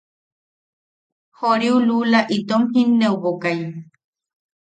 Joriu luula itom jinneʼubokai.